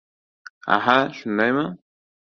— Aha, shundaymi?